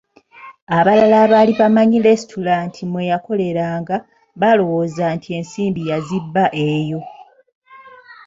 Abalala abaali bamanyi lesitulante mwe yakoleranga baalowooza nti ensimbi yazibba eyo.